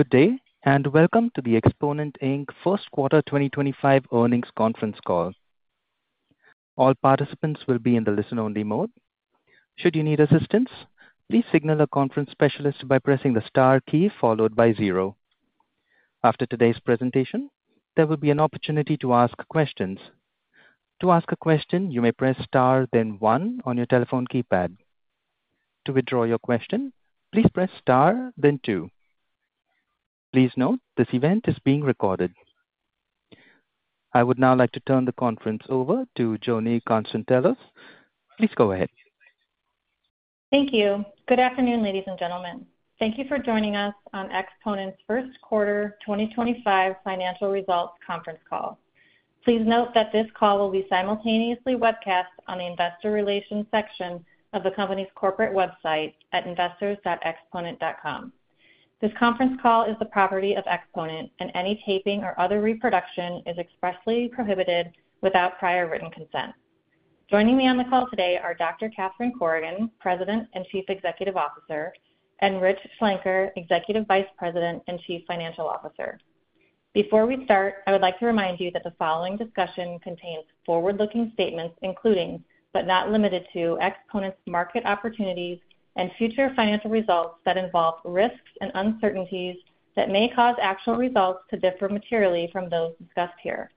Good day, and welcome to the Exponent Inc Q1 2025 Earnings Conference Call. All participants will be in the listen-only mode. Should you need assistance, please signal a conference specialist by pressing the star key followed by zero. After today's presentation, there will be an opportunity to ask questions. To ask a question, you may press star, then one, on your telephone keypad. To withdraw your question, please press star, then two. Please note this event is being recorded. I would now like to turn the conference over to Joni Konstantelos. Please go ahead. Thank you. Good afternoon, ladies and gentlemen. Thank you for joining us on Exponent's Q1 2025 Financial Results Conference Call. Please note that this call will be simultaneously webcast on the investor relations section of the company's corporate website at investors.exponent.com. This conference call is the property of Exponent, and any taping or other reproduction is expressly prohibited without prior written consent. Joining me on the call today are Dr. Catherine Corrigan, President and Chief Executive Officer, and Rich Schlenker, Executive Vice President and Chief Financial Officer. Before we start, I would like to remind you that the following discussion contains forward-looking statements, including, but not limited to, Exponent's market opportunities and future financial results that involve risks and uncertainties that may cause actual results to differ materially from those discussed here.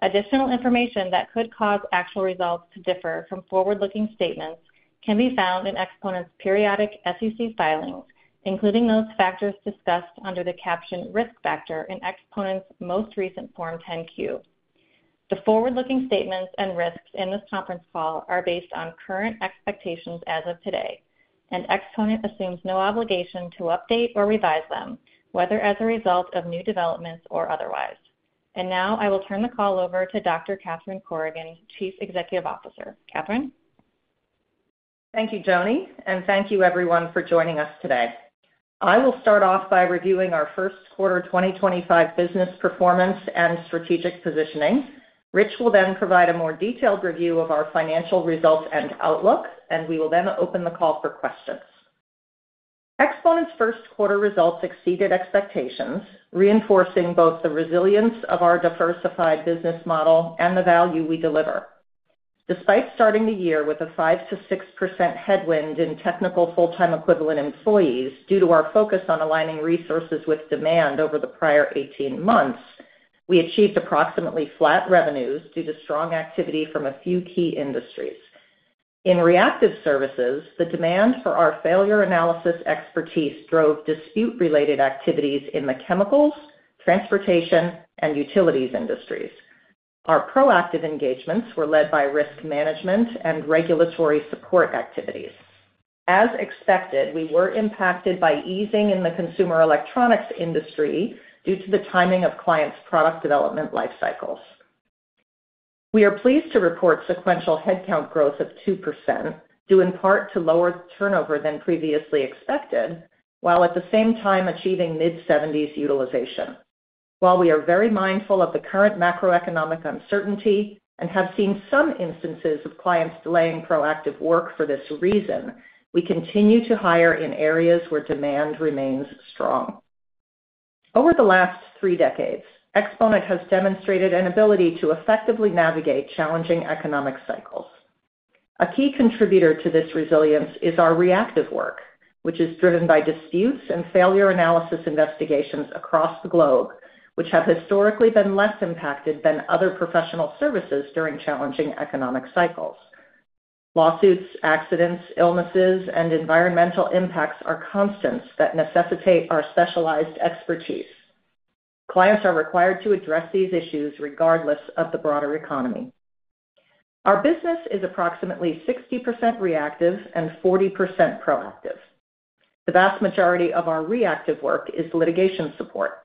Additional information that could cause actual results to differ from forward-looking statements can be found in Exponent's periodic SEC filings, including those factors discussed under the caption Risk Factors in Exponent's most recent Form 10-Q. The forward-looking statements and risks in this conference call are based on current expectations as of today, and Exponent assumes no obligation to update or revise them, whether as a result of new developments or otherwise. I will turn the call over to Dr. Catherine Corrigan, Chief Executive Officer. Catherine. Thank you, Joni, and thank you, everyone, for joining us today. I will start off by reviewing our Q1 2025 business performance and strategic positioning. Rich will then provide a more detailed review of our financial results and outlook, and we will then open the call for questions. Exponent's Q1 results exceeded expectations, reinforcing both the resilience of our diversified business model and the value we deliver. Despite starting the year with a 5-6% headwind in technical full-time equivalent employees due to our focus on aligning resources with demand over the prior 18 months, we achieved approximately flat revenues due to strong activity from a few key industries. In reactive services, the demand for our failure analysis expertise drove dispute-related activities in the chemicals, transportation, and utilities industries. Our proactive engagements were led by risk management and regulatory support activities. As expected, we were impacted by easing in the consumer electronics industry due to the timing of clients' product development life cycles. We are pleased to report sequential headcount growth of 2% due in part to lower turnover than previously expected, while at the same time achieving mid-70s utilization. While we are very mindful of the current macroeconomic uncertainty and have seen some instances of clients delaying proactive work for this reason, we continue to hire in areas where demand remains strong. Over the last three decades, Exponent has demonstrated an ability to effectively navigate challenging economic cycles. A key contributor to this resilience is our reactive work, which is driven by disputes and failure analysis investigations across the globe, which have historically been less impacted than other professional services during challenging economic cycles. Lawsuits, accidents, illnesses, and environmental impacts are constants that necessitate our specialized expertise. Clients are required to address these issues regardless of the broader economy. Our business is approximately 60% reactive and 40% proactive. The vast majority of our reactive work is litigation support.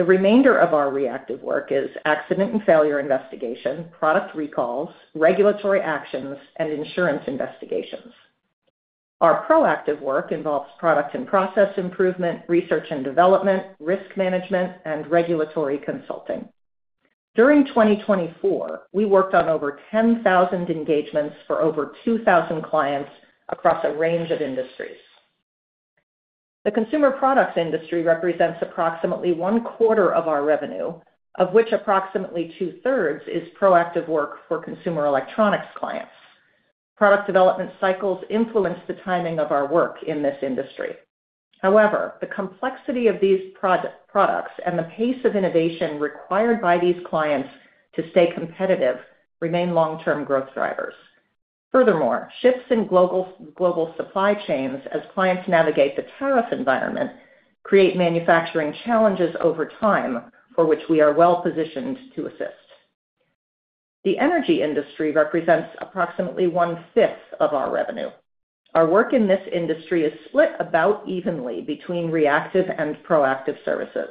The remainder of our reactive work is accident and failure investigation, product recalls, regulatory actions, and insurance investigations. Our proactive work involves product and process improvement, research and development, risk management, and regulatory consulting. During 2024, we worked on over 10,000 engagements for over 2,000 clients across a range of industries. The consumer products industry represents approximately one quarter of our revenue, of which approximately two-thirds is proactive work for consumer electronics clients. Product development cycles influence the timing of our work in this industry. However, the complexity of these products and the pace of innovation required by these clients to stay competitive remain long-term growth drivers. Furthermore, shifts in global supply chains as clients navigate the tariff environment create manufacturing challenges over time, for which we are well positioned to assist. The energy industry represents approximately one fifth of our revenue. Our work in this industry is split about evenly between reactive and proactive services.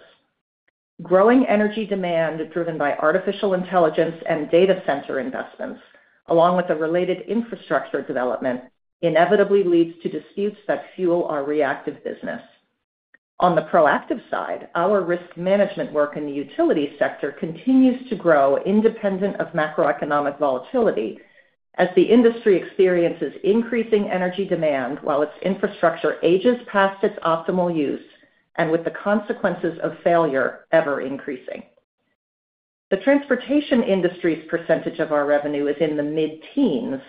Growing energy demand driven by artificial intelligence and data center investments, along with the related infrastructure development, inevitably leads to disputes that fuel our reactive business. On the proactive side, our risk management work in the utility sector continues to grow independent of macroeconomic volatility as the industry experiences increasing energy demand while its infrastructure ages past its optimal use and with the consequences of failure ever increasing. The transportation industry's percentage of our revenue is in the mid-teens,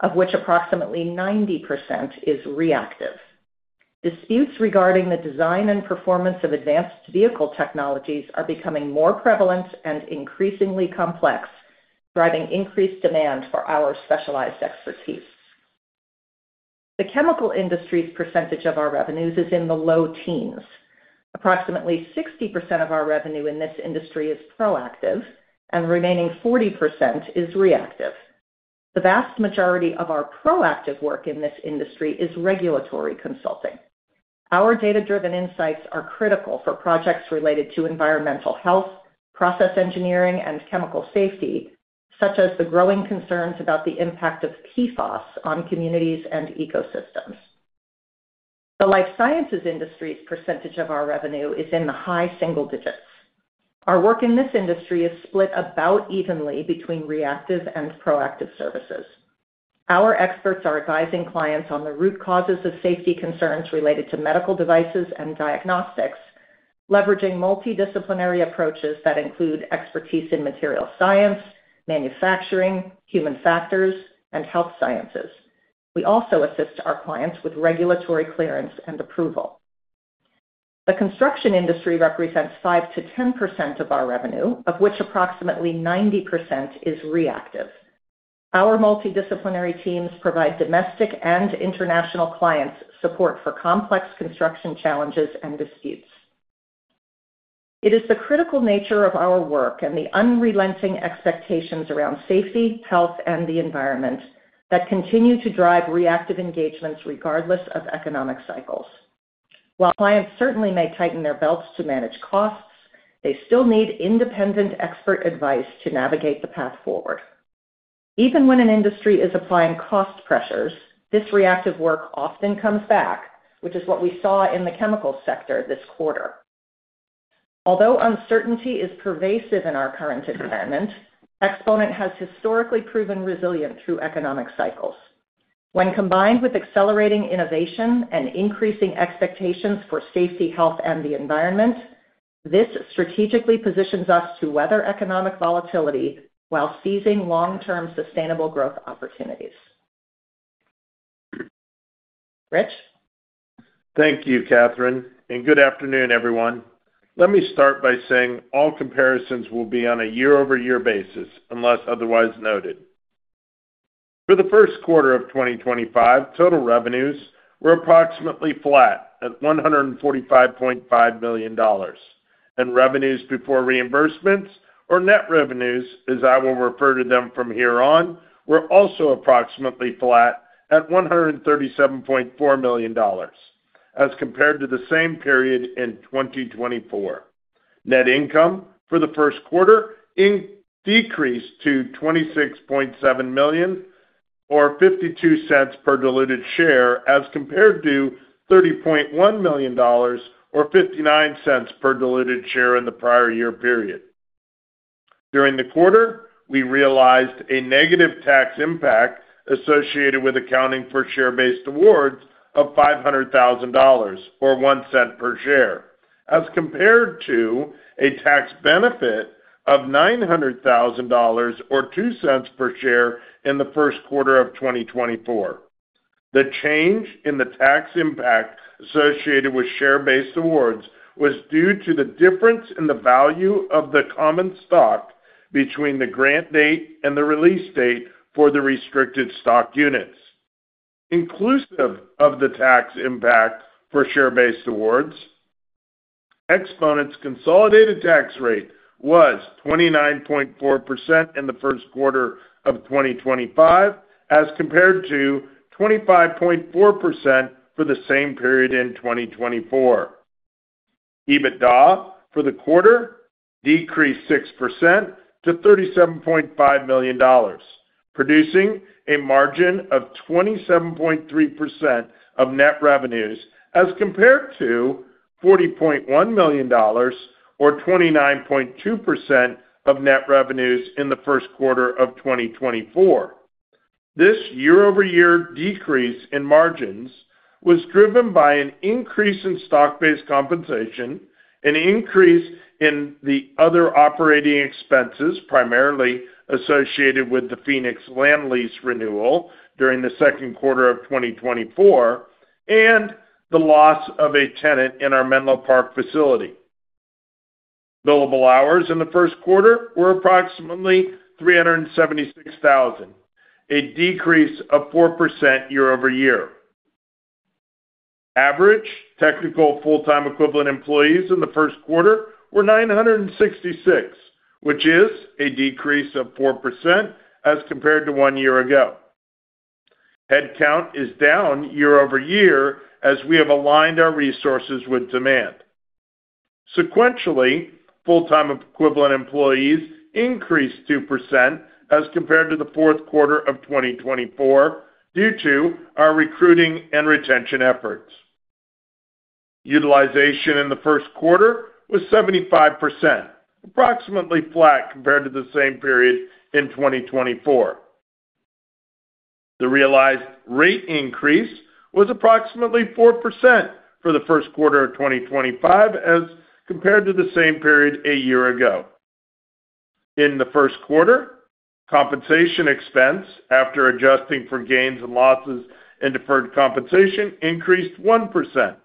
of which approximately 90% is reactive. Disputes regarding the design and performance of advanced vehicle technologies are becoming more prevalent and increasingly complex, driving increased demand for our specialized expertise. The chemical industry's percentage of our revenues is in the low teens. Approximately 60% of our revenue in this industry is proactive, and the remaining 40% is reactive. The vast majority of our proactive work in this industry is regulatory consulting. Our data-driven insights are critical for projects related to environmental health, process engineering, and chemical safety, such as the growing concerns about the impact of PFAS on communities and ecosystems. The life sciences industry's percentage of our revenue is in the high single digits. Our work in this industry is split about evenly between reactive and proactive services. Our experts are advising clients on the root causes of safety concerns related to medical devices and diagnostics, leveraging multidisciplinary approaches that include expertise in material science, manufacturing, human factors, and health sciences. We also assist our clients with regulatory clearance and approval. The construction industry represents 5-10% of our revenue, of which approximately 90% is reactive. Our multidisciplinary teams provide domestic and international clients support for complex construction challenges and disputes. It is the critical nature of our work and the unrelenting expectations around safety, health, and the environment that continue to drive reactive engagements regardless of economic cycles. While clients certainly may tighten their belts to manage costs, they still need independent expert advice to navigate the path forward. Even when an industry is applying cost pressures, this reactive work often comes back, which is what we saw in the chemical sector this quarter. Although uncertainty is pervasive in our current environment, Exponent has historically proven resilient through economic cycles. When combined with accelerating innovation and increasing expectations for safety, health, and the environment, this strategically positions us to weather economic volatility while seizing long-term sustainable growth opportunities. Rich? Thank you, Catherine, and good afternoon, everyone. Let me start by saying all comparisons will be on a year-over-year basis, unless otherwise noted. For the Q1 of 2025, total revenues were approximately flat at $145.5 million, and revenues before reimbursements or net revenues, as I will refer to them from here on, were also approximately flat at $137.4 million as compared to the same period in 2024. Net income for the Q1 decreased to $26.7 million or $0.52 per diluted share as compared to $30.1 million or $0.59 per diluted share in the prior year period. During the quarter, we realized a negative tax impact associated with accounting for share-based awards of $500,000 or $0.01 per share as compared to a tax benefit of $900,000 or $0.02 per share in the Q1 of 2024. The change in the tax impact associated with share-based awards was due to the difference in the value of the common stock between the grant date and the release date for the restricted stock units. Inclusive of the tax impact for share-based awards, Exponent's consolidated tax rate was 29.4% in the Q1 of 2025 as compared to 25.4% for the same period in 2024. EBITDA for the quarter decreased 6% to $37.5 million, producing a margin of 27.3% of net revenues as compared to $40.1 million or 29.2% of net revenues in the Q1 of 2024. This year-over-year decrease in margins was driven by an increase in stock-based compensation, an increase in the other operating expenses primarily associated with the Phoenix land lease renewal during the Q2 of 2024, and the loss of a tenant in our Menlo Park facility. Billable hours in the Q1 were approximately 376,000, a decrease of 4% year-over-year. Average technical full-time equivalent employees in the Q1 were 966, which is a decrease of 4% as compared to one year ago. Headcount is down year-over-year as we have aligned our resources with demand. Sequentially, full-time equivalent employees increased 2% as compared to the Q4 of 2024 due to our recruiting and retention efforts. Utilization in the Q1 was 75%, approximately flat compared to the same period in 2024. The realized rate increase was approximately 4% for the Q1 of 2025 as compared to the same period a year ago. In the Q1, compensation expense after adjusting for gains and losses in deferred compensation increased 1%.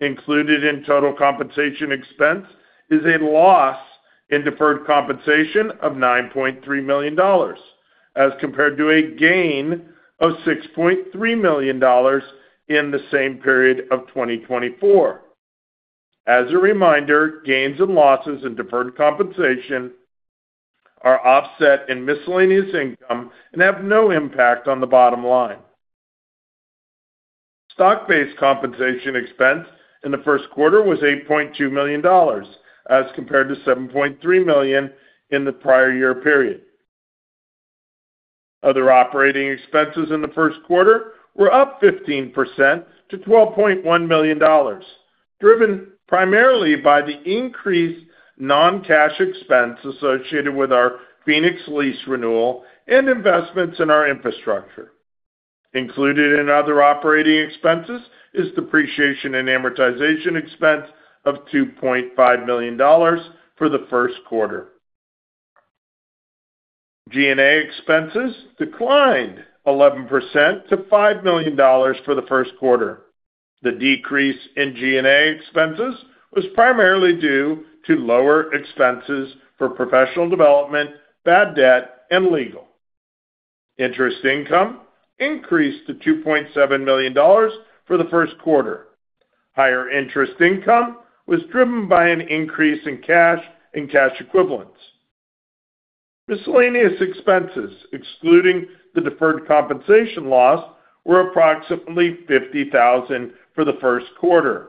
Included in total compensation expense is a loss in deferred compensation of $9.3 million as compared to a gain of $6.3 million in the same period of 2024. As a reminder, gains and losses in deferred compensation are offset in miscellaneous income and have no impact on the bottom line. Stock-based compensation expense in the Q1 was $8.2 million as compared to $7.3 million in the prior year period. Other operating expenses in the Q1 were up 15% to $12.1 million, driven primarily by the increased non-cash expense associated with our Phoenix lease renewal and investments in our infrastructure. Included in other operating expenses is depreciation and amortization expense of $2.5 million for the Q1. G&A expenses declined 11% to $5 million for the Q1. The decrease in G&A expenses was primarily due to lower expenses for professional development, bad debt, and legal. Interest income increased to $2.7 million for the Q1. Higher interest income was driven by an increase in cash and cash equivalents. Miscellaneous expenses, excluding the deferred compensation loss, were approximately $50,000 for the Q1,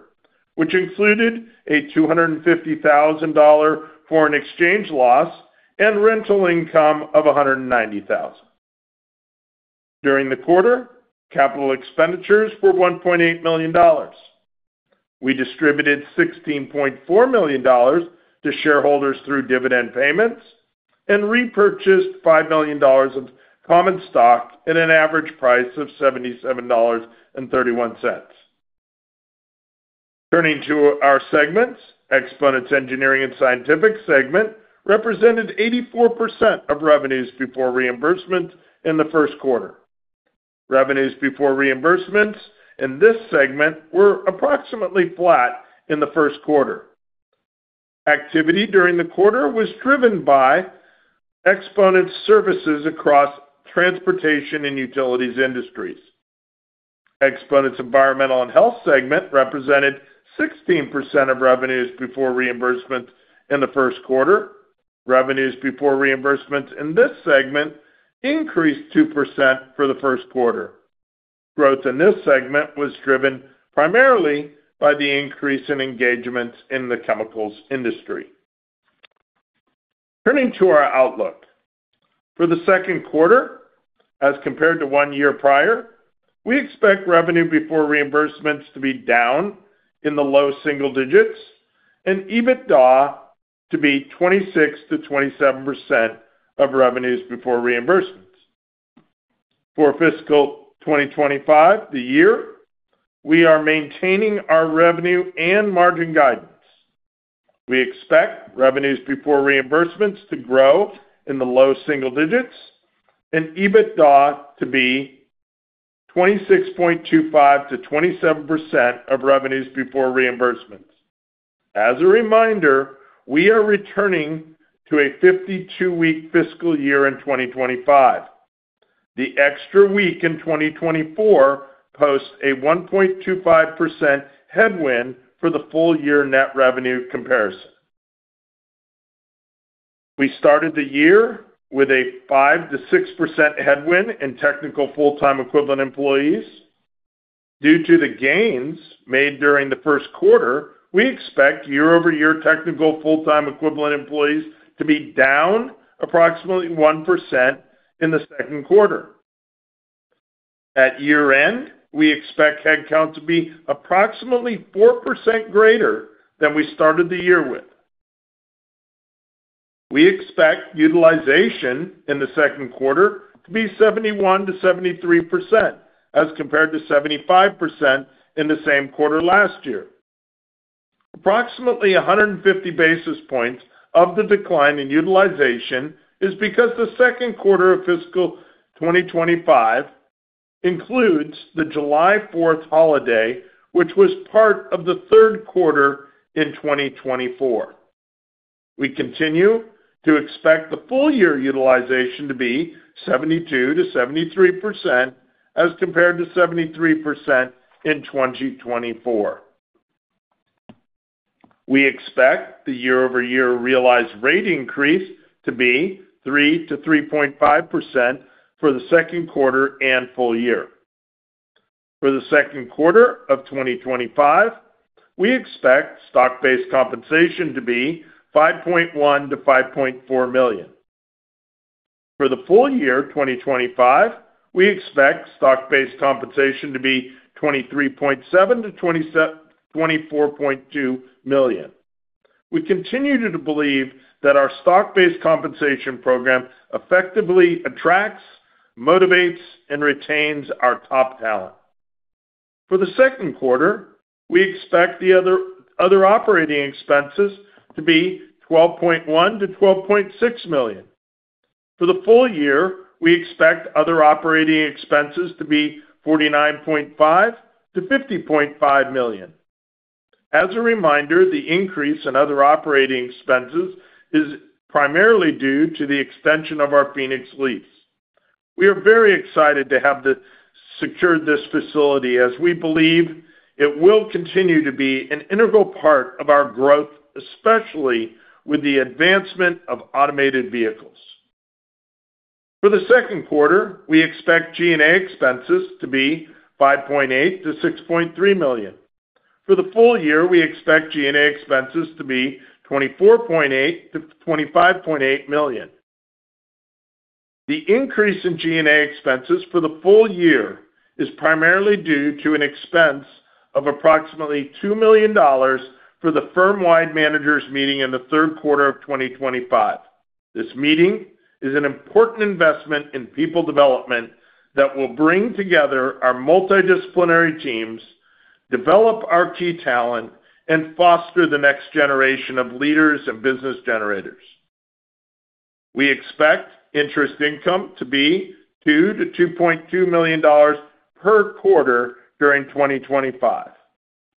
which included a $250,000 foreign exchange loss and rental income of $190,000. During the quarter, capital expenditures were $1.8 million. We distributed $16.4 million to shareholders through dividend payments and repurchased $5 million of common stock at an average price of $77.31. Turning to our segments, Exponent's engineering and scientific segment represented 84% of revenues before reimbursement in the Q1. Revenues before reimbursements in this segment were approximately flat in the Q1. Activity during the quarter was driven by Exponent's services across transportation and utilities industries. Exponent's environmental and health segment represented 16% of revenues before reimbursement in the Q1. Revenues before reimbursement in this segment increased 2% for the Q1. Growth in this segment was driven primarily by the increase in engagements in the chemicals industry. Turning to our outlook for the Q2 as compared to one year prior, we expect revenue before reimbursements to be down in the low single digits and EBITDA to be 26%-27% of revenues before reimbursements. For Fiscal 2025, the year, we are maintaining our revenue and margin guidance. We expect revenues before reimbursements to grow in the low single digits and EBITDA to be 26.25%-27% of revenues before reimbursements. As a reminder, we are returning to a 52-week fiscal year in 2025. The extra week in 2024 posts a 1.25% headwind for the full-year net revenue comparison. We started the year with a 5%-6% headwind in technical full-time equivalent employees. Due to the gains made during the Q1, we expect year-over-year technical full-time equivalent employees to be down approximately 1% in the Q2. At year-end, we expect headcount to be approximately 4% greater than we started the year with. We expect utilization in the Q2 to be 71-73% as compared to 75% in the same quarter last year. Approximately 150 basis points of the decline in utilization is because the Q2 of Fiscal 2025 includes the July 4th holiday, which was part of the Q3 in 2024. We continue to expect the full-year utilization to be 72-73% as compared to 73% in 2024. We expect the year-over-year realized rate increase to be 3-3.5% for the Q2 and full year. For the Q2 of 2025, we expect stock-based compensation to be $5.1-$5.4 million. For the full year 2025, we expect stock-based compensation to be $23.7-$24.2 million. We continue to believe that our stock-based compensation program effectively attracts, motivates, and retains our top talent. For the Q2, we expect the other operating expenses to be $12.1-$12.6 million. For the full year, we expect other operating expenses to be $49.5-$50.5 million. As a reminder, the increase in other operating expenses is primarily due to the extension of our Phoenix lease. We are very excited to have secured this facility as we believe it will continue to be an integral part of our growth, especially with the advancement of automated vehicles. For the Q2, we expect G&A expenses to be $5.8-$6.3 million. For the full year, we expect G&A expenses to be $24.8-$25.8 million. The increase in G&A expenses for the full year is primarily due to an expense of approximately $2 million for the firm-wide managers' meeting in the Q3 of 2025. This meeting is an important investment in people development that will bring together our multidisciplinary teams, develop our key talent, and foster the next generation of leaders and business generators. We expect interest income to be $2-$2.2 million per quarter during 2025.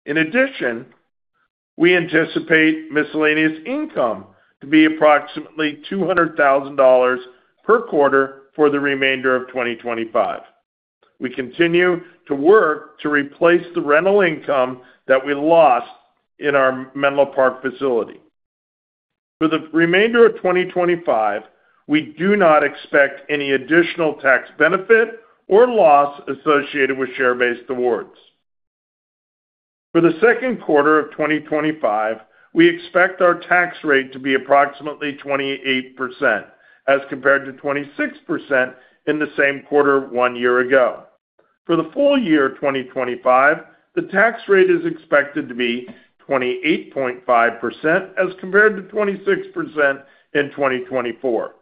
In addition, we anticipate miscellaneous income to be approximately $200,000 per quarter for the remainder of 2025. We continue to work to replace the rental income that we lost in our Menlo Park facility. For the remainder of 2025, we do not expect any additional tax benefit or loss associated with share-based awards. For the Q2 of 2025, we expect our tax rate to be approximately 28% as compared to 26% in the same quarter one year ago. For the full year 2025, the tax rate is expected to be 28.5% as compared to 26% in 2024.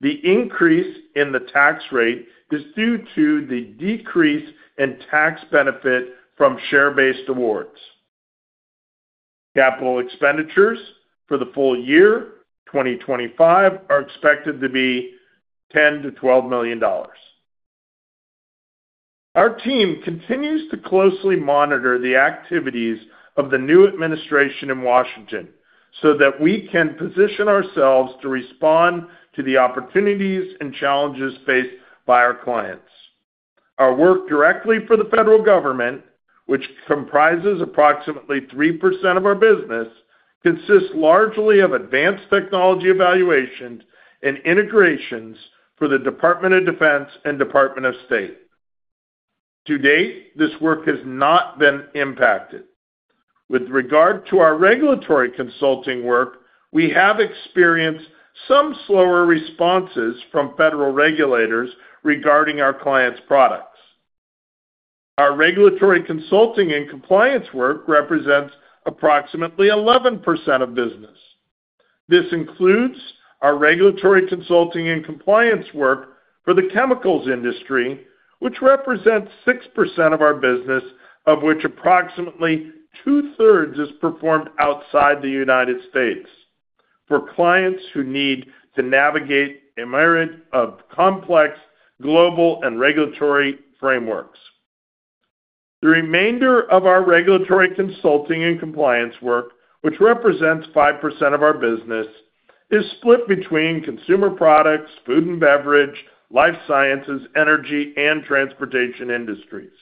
The increase in the tax rate is due to the decrease in tax benefit from share-based awards. Capital expenditures for the full year 2025 are expected to be $10-$12 million. Our team continues to closely monitor the activities of the new administration in Washington so that we can position ourselves to respond to the opportunities and challenges faced by our clients. Our work directly for the federal government, which comprises approximately 3% of our business, consists largely of advanced technology evaluations and integrations for the Department of Defense and Department of State. To date, this work has not been impacted. With regard to our regulatory consulting work, we have experienced some slower responses from federal regulators regarding our clients' products. Our regulatory consulting and compliance work represents approximately 11% of business. This includes our regulatory consulting and compliance work for the chemicals industry, which represents 6% of our business, of which approximately 2/3 is performed outside the United States for clients who need to navigate a myriad of complex global and regulatory frameworks. The remainder of our regulatory consulting and compliance work, which represents 5% of our business, is split between consumer products, food and beverage, life sciences, energy, and transportation industries.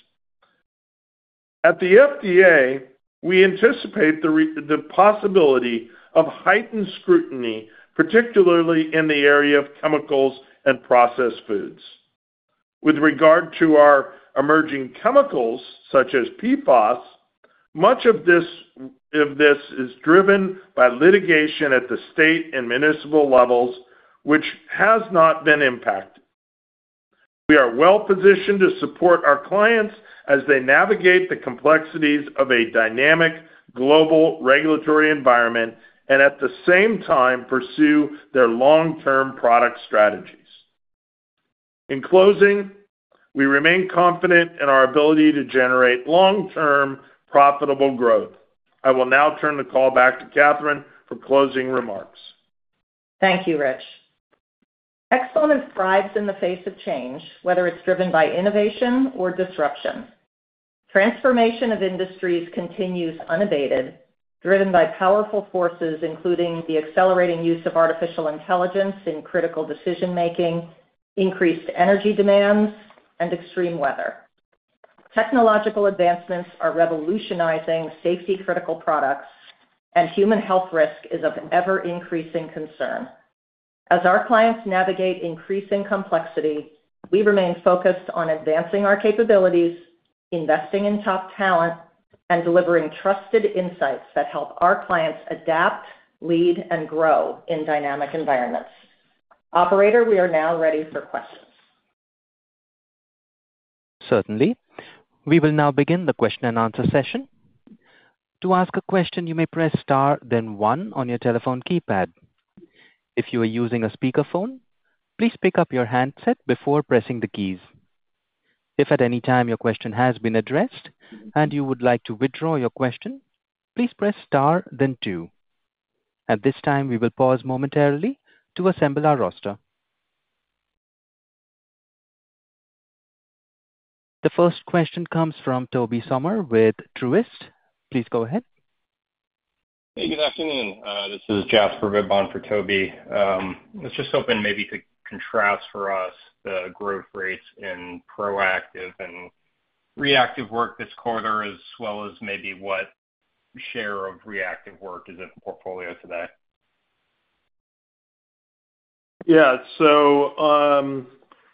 At the FDA, we anticipate the possibility of heightened scrutiny, particularly in the area of chemicals and processed foods. With regard to our emerging chemicals, such as PFAS, much of this is driven by litigation at the state and municipal levels, which has not been impacted. We are well-positioned to support our clients as they navigate the complexities of a dynamic global regulatory environment and, at the same time, pursue their long-term product strategies. In closing, we remain confident in our ability to generate long-term profitable growth. I will now turn the call back to Catherine for closing remarks. Thank you, Rich. Exponent thrives in the face of change, whether it is driven by innovation or disruption. Transformation of industries continues unabated, driven by powerful forces including the accelerating use of artificial intelligence in critical decision-making, increased energy demands, and extreme weather. Technological advancements are revolutionizing safety-critical products, and human health risk is of ever-increasing concern. As our clients navigate increasing complexity, we remain focused on advancing our capabilities, investing in top talent, and delivering trusted insights that help our clients adapt, lead, and grow in dynamic environments. Operator, we are now ready for questions. Certainly. We will now begin the question and answer session. To ask a question, you may press star, then one on your telephone keypad. If you are using a speakerphone, please pick up your handset before pressing the keys. If at any time your question has been addressed and you would like to withdraw your question, please press star, then two. At this time, we will pause momentarily to assemble our roster. The first question comes from Tobey Sommer with Truist. Please go ahead. Hey, good afternoon. This is Jasper Bibb on for Tobey. Let's just open maybe to contrast for us the growth rates in proactive and reactive work this quarter, as well as maybe what share of reactive work is in the portfolio today. Yeah.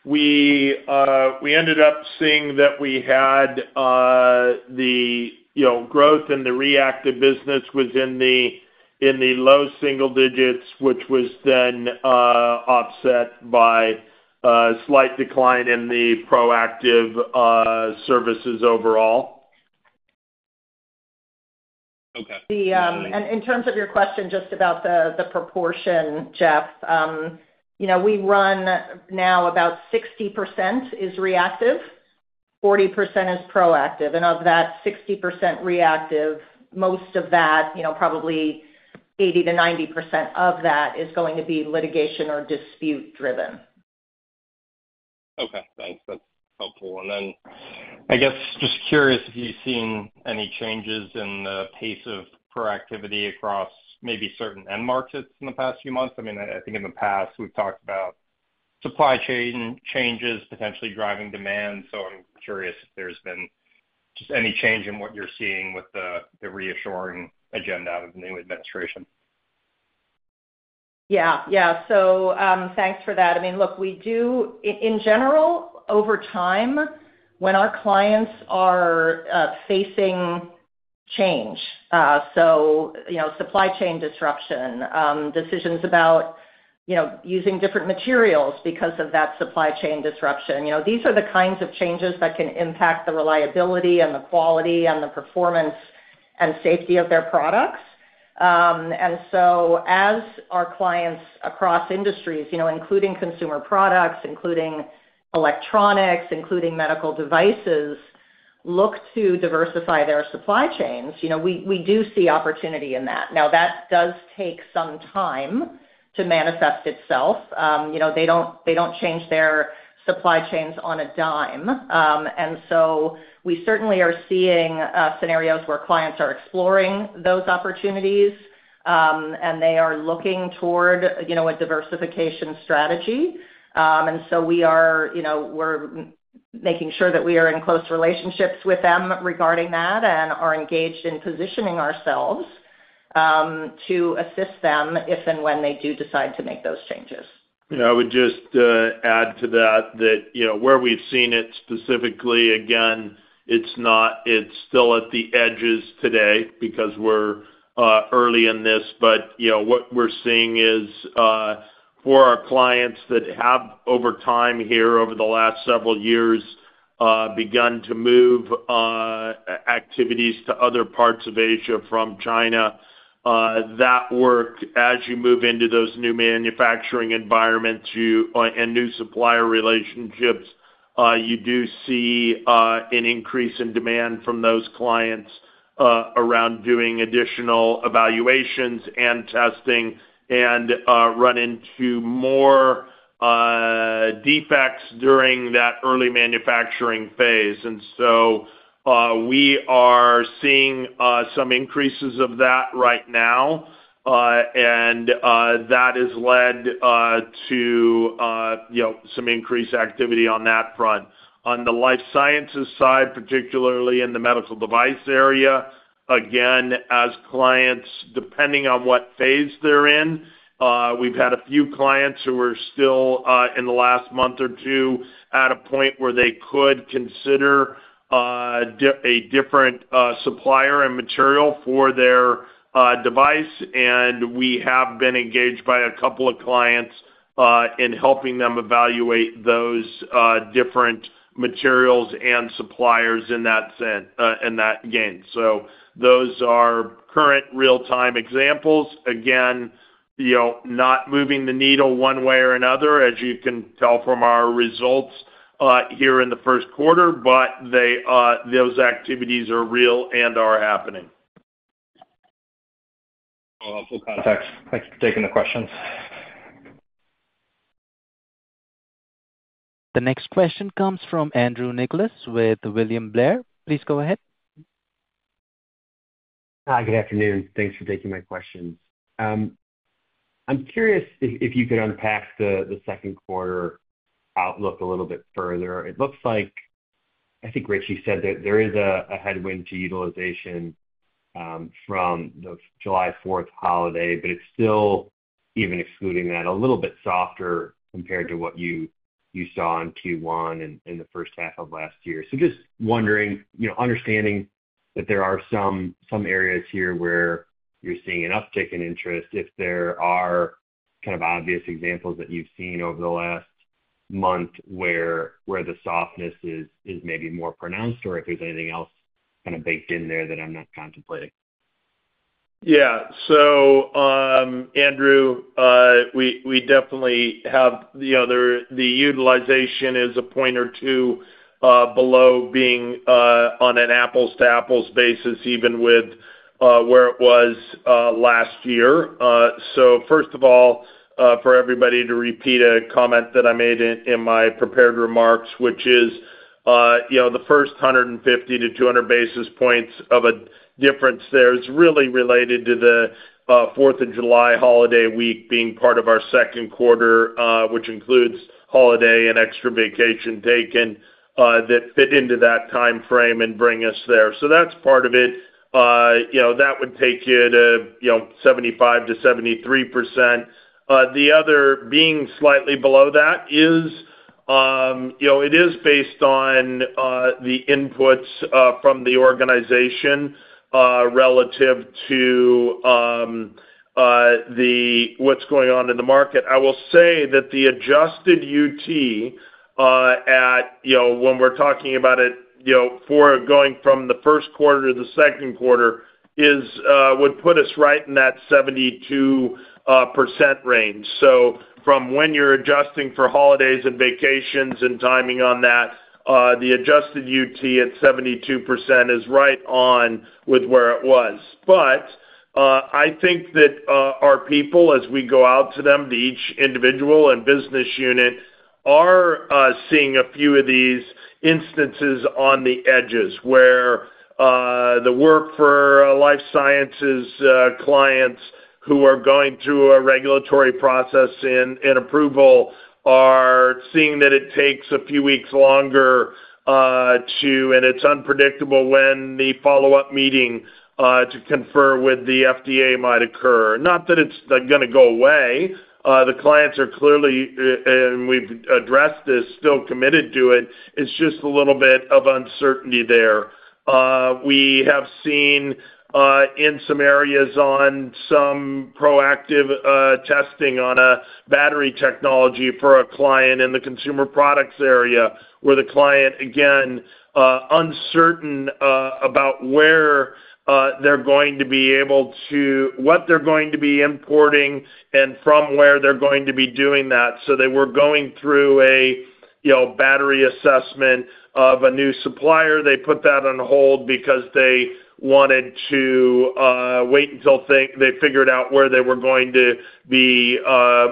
We ended up seeing that we had the growth in the reactive business was in the low single digits, which was then offset by a slight decline in the proactive services overall. Okay. In terms of your question just about the proportion, Jasper, we run now about 60% is reactive, 40% is proactive. Of that 60% reactive, most of that, probably 80-90% of that, is going to be litigation or dispute-driven. Okay. Thanks. That's helpful. I guess just curious if you've seen any changes in the pace of proactivity across maybe certain end markets in the past few months. I mean, I think in the past we've talked about supply chain changes potentially driving demand. I'm curious if there's been just any change in what you're seeing with the reshoring agenda of the new administration. Yeah. Yeah. Thanks for that. I mean, look, we do, in general, over time, when our clients are facing change, so supply chain disruption, decisions about using different materials because of that supply chain disruption, these are the kinds of changes that can impact the reliability and the quality and the performance and safety of their products. As our clients across industries, including consumer products, including electronics, including medical devices, look to diversify their supply chains, we do see opportunity in that. That does take some time to manifest itself. They don't change their supply chains on a dime. We certainly are seeing scenarios where clients are exploring those opportunities, and they are looking toward a diversification strategy. We are making sure that we are in close relationships with them regarding that and are engaged in positioning ourselves to assist them if and when they do decide to make those changes. I would just add to that that where we've seen it specifically, again, it's still at the edges today because we're early in this. What we're seeing is for our clients that have, over time here, over the last several years, begun to move activities to other parts of Asia from China, that work, as you move into those new manufacturing environments and new supplier relationships, you do see an increase in demand from those clients around doing additional evaluations and testing and run into more defects during that early manufacturing phase. We are seeing some increases of that right now, and that has led to some increased activity on that front. On the life sciences side, particularly in the medical device area, again, as clients, depending on what phase they're in, we've had a few clients who are still, in the last month or two, at a point where they could consider a different supplier and material for their device. We have been engaged by a couple of clients in helping them evaluate those different materials and suppliers in that game. Those are current real-time examples. Again, not moving the needle one way or another, as you can tell from our results here in the Q1, but those activities are real and are happening. Cool. Full context. Thanks for taking the questions. The next question comes from Andrew Nicholas with William Blair. Please go ahead. Hi, good afternoon. Thanks for taking my questions. I'm curious if you could unpack the Q2 outlook a little bit further. It looks like, I think Rich said, that there is a headwind to utilization from the July 4th holiday, but it's still, even excluding that, a little bit softer compared to what you saw in Q1 in the H1 of last year. Just wondering, understanding that there are some areas here where you're seeing an uptick in interest, if there are kind of obvious examples that you've seen over the last month where the softness is maybe more pronounced, or if there's anything else kind of baked in there that I'm not contemplating. Yeah. Andrew, we definitely have the utilization is a point or two below being on an apples-to-apples basis, even with where it was last year. First of all, for everybody, to repeat a comment that I made in my prepared remarks, the first 150-200 basis points of a difference there is really related to the 4th of July holiday week being part of our Q2, which includes holiday and extra vacation taken that fit into that timeframe and bring us there. That is part of it. That would take you to 75-73%. The other being slightly below that is it is based on the inputs from the organization relative to what is going on in the market. I will say that the adjusted UT, when we are talking about it for going from the Q1 to the Q2, would put us right in that 72% range. When you're adjusting for holidays and vacations and timing on that, the adjusted UT at 72% is right on with where it was. I think that our people, as we go out to them, to each individual and business unit, are seeing a few of these instances on the edges where the work for life sciences clients who are going through a regulatory process and approval are seeing that it takes a few weeks longer to, and it's unpredictable when the follow-up meeting to confer with the FDA might occur. Not that it's going to go away. The clients are clearly, and we've addressed this, still committed to it. It's just a little bit of uncertainty there. We have seen in some areas on some proactive testing on a battery technology for a client in the consumer products area where the client, again, uncertain about where they're going to be able to, what they're going to be importing and from where they're going to be doing that. They were going through a battery assessment of a new supplier. They put that on hold because they wanted to wait until they figured out where they were going to be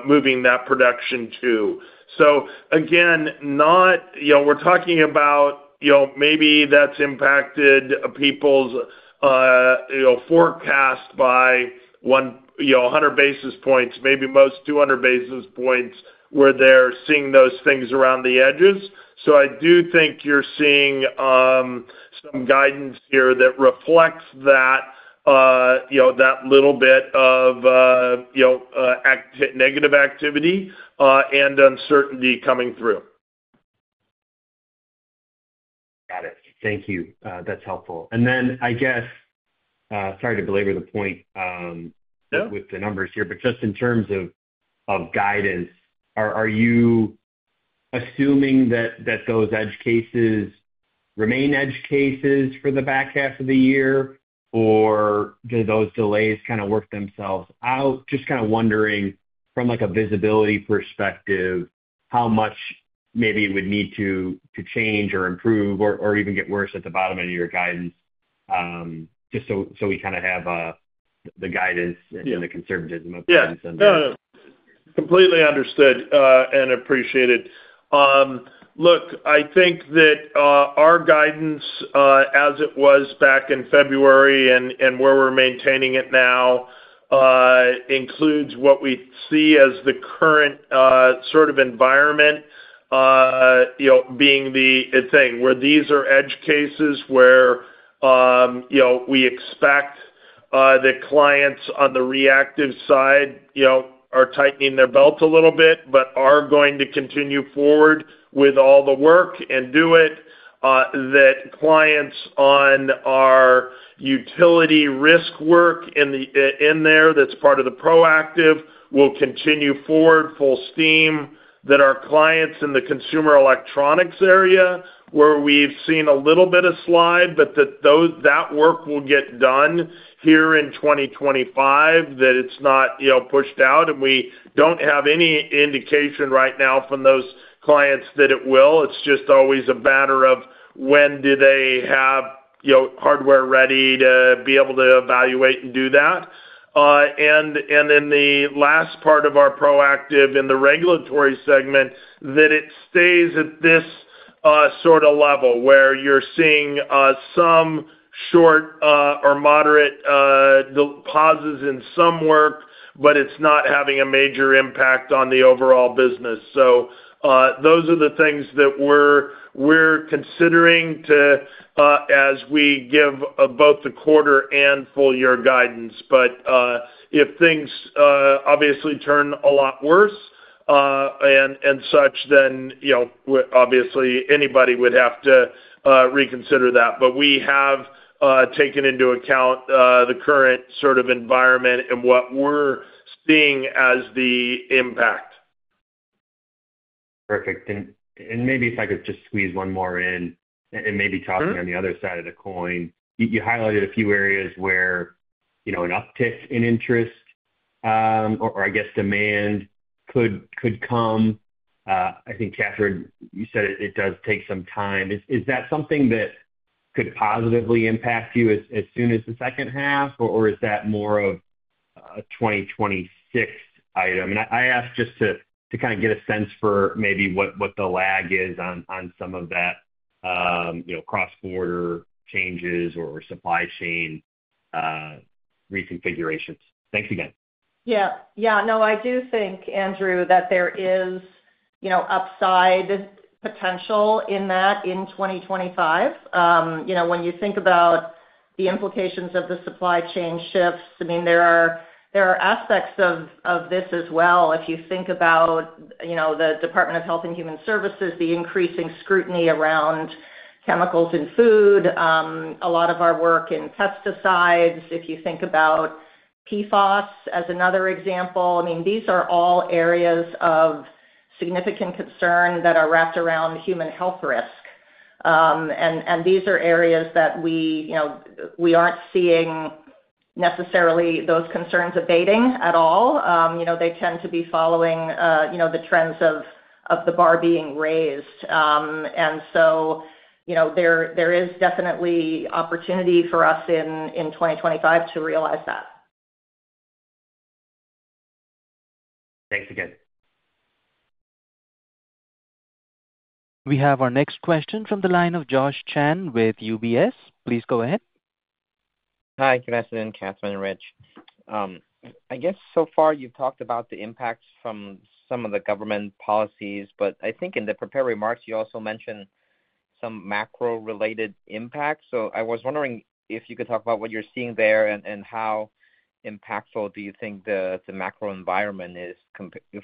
moving that production to. We're talking about maybe that's impacted people's forecast by 100 basis points, maybe most 200 basis points where they're seeing those things around the edges. I do think you're seeing some guidance here that reflects that little bit of negative activity and uncertainty coming through. Got it. Thank you. That's helpful. I guess, sorry to belabor the point with the numbers here, but just in terms of guidance, are you assuming that those edge cases remain edge cases for the back half of the year, or do those delays kind of work themselves out? Just kind of wondering, from a visibility perspective, how much maybe it would need to change or improve or even get worse at the bottom end of your guidance just so we kind of have the guidance and the conservatism of things on there. Yeah. Completely understood and appreciated. Look, I think that our guidance, as it was back in February and where we're maintaining it now, includes what we see as the current sort of environment being the thing where these are edge cases where we expect the clients on the reactive side are tightening their belt a little bit but are going to continue forward with all the work and do it, that clients on our utility risk work in there that's part of the proactive will continue forward full steam, that our clients in the consumer electronics area where we've seen a little bit of slide, but that work will get done here in 2025, that it's not pushed out. We don't have any indication right now from those clients that it will. It's just always a matter of when do they have hardware ready to be able to evaluate and do that. The last part of our proactive in the regulatory segment is that it stays at this sort of level where you're seeing some short or moderate pauses in some work, but it's not having a major impact on the overall business. Those are the things that we're considering as we give both the quarter and full year guidance. If things obviously turn a lot worse and such, then obviously anybody would have to reconsider that. We have taken into account the current sort of environment and what we're seeing as the impact. Perfect. Maybe if I could just squeeze one more in and maybe talking on the other side of the coin, you highlighted a few areas where an uptick in interest or, I guess, demand could come. I think, Catherine, you said it does take some time. Is that something that could positively impact you as soon as the H2, or is that more of a 2026 item? I ask just to kind of get a sense for maybe what the lag is on some of that cross-border changes or supply chain reconfigurations. Thanks again. Yeah. No, I do think, Andrew, that there is upside potential in that in 2025. When you think about the implications of the supply chain shifts, there are aspects of this as well. If you think about the Department of Health and Human Services, the increasing scrutiny around chemicals in food, a lot of our work in pesticides, if you think about PFAS as another example, these are all areas of significant concern that are wrapped around human health risk. These are areas that we aren't seeing necessarily those concerns abating at all. They tend to be following the trends of the bar being raised. There is definitely opportunity for us in 2025 to realize that. Thanks again. We have our next question from the line of Josh Chan with UBS. Please go ahead. Hi, good afternoon, Catherine and Rich. I guess so far you've talked about the impacts from some of the government policies, but I think in the prepared remarks, you also mentioned some macro-related impacts. I was wondering if you could talk about what you're seeing there and how impactful you think the macro environment is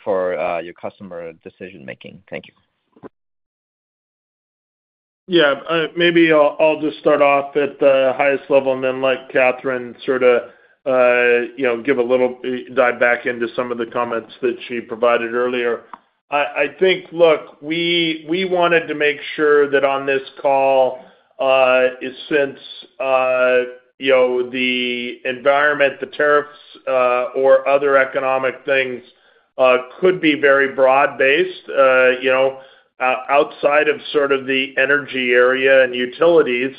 for your customer decision-making. Thank you. Yeah. Maybe I'll just start off at the highest level and then, like Catherine, sort of give a little dive back into some of the comments that she provided earlier. I think, look, we wanted to make sure that on this call, since the environment, the tariffs, or other economic things could be very broad-based outside of sort of the energy area and utilities,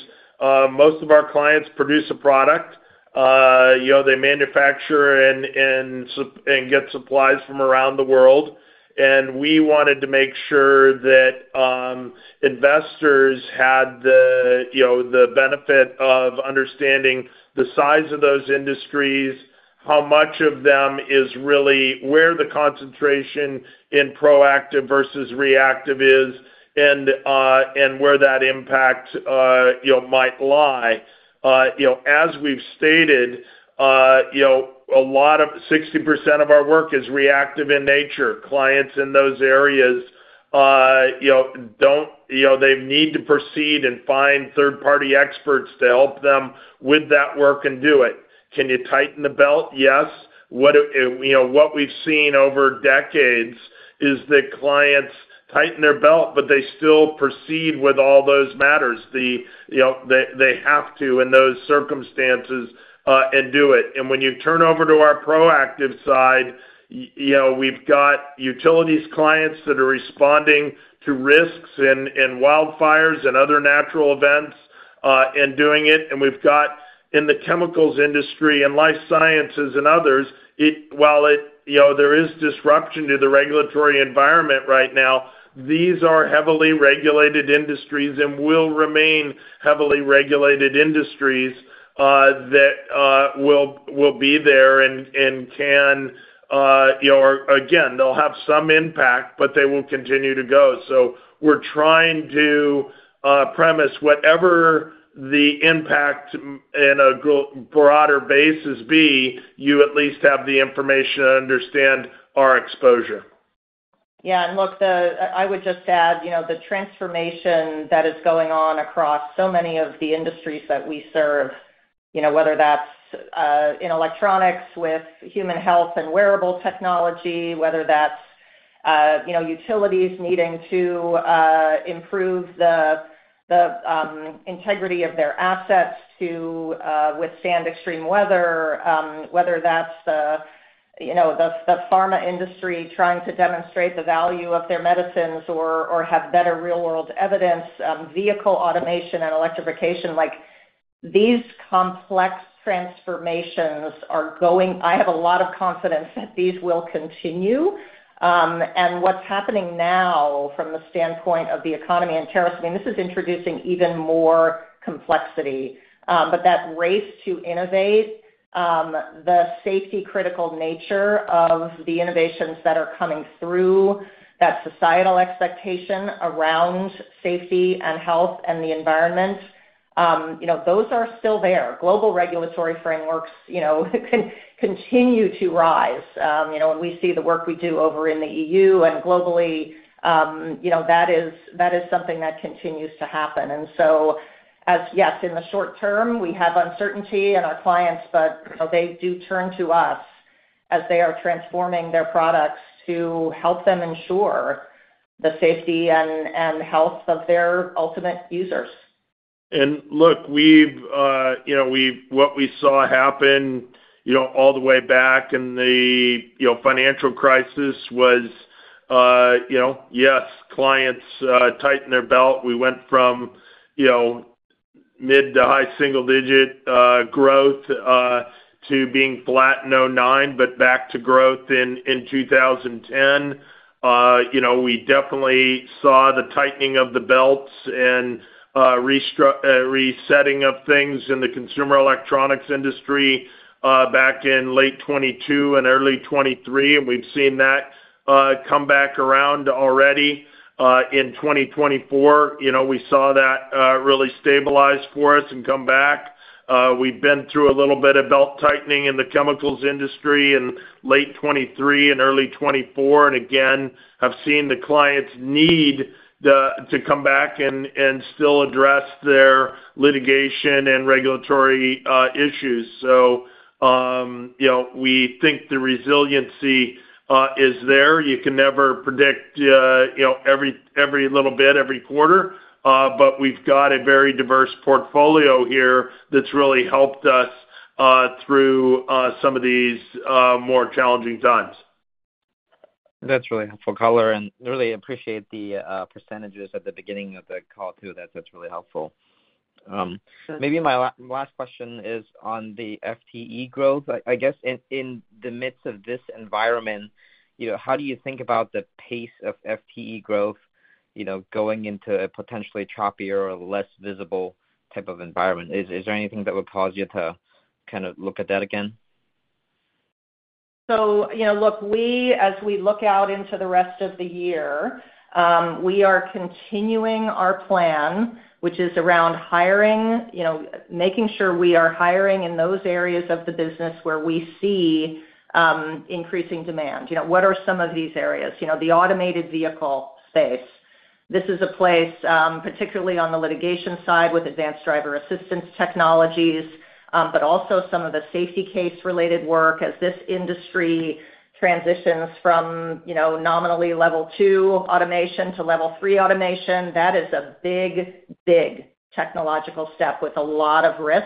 most of our clients produce a product. They manufacture and get supplies from around the world. We wanted to make sure that investors had the benefit of understanding the size of those industries, how much of them is really where the concentration in proactive versus reactive is, and where that impact might lie. As we've stated, a lot of 60% of our work is reactive in nature. Clients in those areas, they need to proceed and find third-party experts to help them with that work and do it. Can you tighten the belt? Yes. What we've seen over decades is that clients tighten their belt, but they still proceed with all those matters. They have to, in those circumstances, and do it. When you turn over to our proactive side, we've got utilities clients that are responding to risks and wildfires and other natural events and doing it. We've got in the chemicals industry and life sciences and others, while there is disruption to the regulatory environment right now, these are heavily regulated industries and will remain heavily regulated industries that will be there and can again, they'll have some impact, but they will continue to go. We're trying to premise whatever the impact in a broader basis be, you at least have the information to understand our exposure. Yeah. Look, I would just add the transformation that is going on across so many of the industries that we serve, whether that's in electronics with human health and wearable technology, whether that's utilities needing to improve the integrity of their assets to withstand extreme weather, whether that's the pharma industry trying to demonstrate the value of their medicines or have better real-world evidence, vehicle automation and electrification. These complex transformations are going. I have a lot of confidence that these will continue. What's happening now from the standpoint of the economy and tariffs, I mean, this is introducing even more complexity. That race to innovate, the safety-critical nature of the innovations that are coming through, that societal expectation around safety and health and the environment, those are still there. Global regulatory frameworks continue to rise. When we see the work we do over in the EU and globally, that is something that continues to happen. Yes, in the short term, we have uncertainty in our clients, but they do turn to us as they are transforming their products to help them ensure the safety and health of their ultimate users. Look, what we saw happen all the way back in the financial crisis was, yes, clients tighten their belt. We went from mid to high single-digit growth to being flat in 2009, but back to growth in 2010. We definitely saw the tightening of the belts and resetting of things in the consumer electronics industry back in late 2022 and early 2023. We have seen that come back around already. In 2024, we saw that really stabilize for us and come back. We've been through a little bit of belt tightening in the chemicals industry in late 2023 and early 2024. I've seen the clients need to come back and still address their litigation and regulatory issues. We think the resiliency is there. You can never predict every little bit every quarter, but we've got a very diverse portfolio here that's really helped us through some of these more challenging times. That's really helpful color. I really appreciate the percentages at the beginning of the call too. That's really helpful. Maybe my last question is on the FTE growth. I guess in the midst of this environment, how do you think about the pace of FTE growth going into a potentially choppier or less visible type of environment? Is there anything that would cause you to kind of look at that again? As we look out into the rest of the year, we are continuing our plan, which is around hiring, making sure we are hiring in those areas of the business where we see increasing demand. What are some of these areas? The automated vehicle space. This is a place, particularly on the litigation side with advanced driver assistance technologies, but also some of the safety-case-related work as this industry transitions from nominally level two automation to level three automation. That is a big, big technological step with a lot of risk.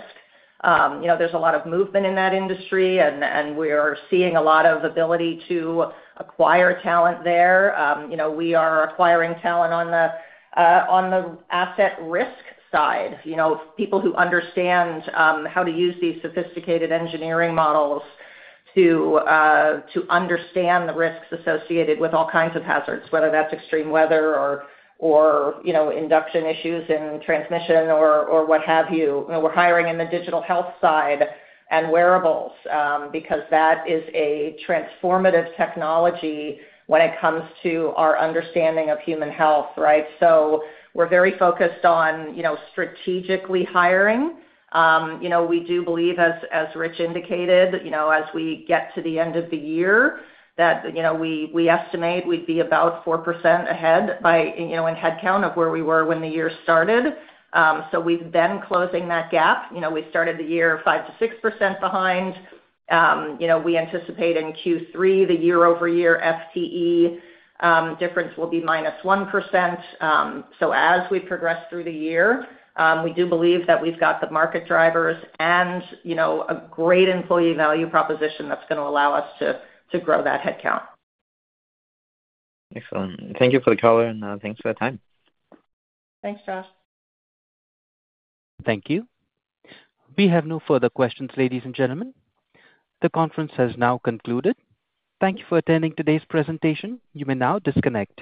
There's a lot of movement in that industry, and we are seeing a lot of ability to acquire talent there. We are acquiring talent on the asset risk side, people who understand how to use these sophisticated engineering models to understand the risks associated with all kinds of hazards, whether that's extreme weather or induction issues in transmission or what have you. We're hiring in the digital health side and wearables because that is a transformative technology when it comes to our understanding of human health, right? We are very focused on strategically hiring. We do believe, as Rich indicated, as we get to the end of the year, that we estimate we'd be about 4% ahead in headcount of where we were when the year started. We have been closing that gap. We started the year 5-6% behind. We anticipate in Q3, the year-over-year FTE difference will be minus 1%. As we progress through the year, we do believe that we've got the market drivers and a great employee value proposition that's going to allow us to grow that headcount. Excellent. Thank you for the color, and thanks for the time. Thanks, Josh. Thank you. We have no further questions, ladies and gentlemen. The conference has now concluded. Thank you for attending today's presentation. You may now disconnect.